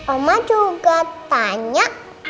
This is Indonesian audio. oma juga tanya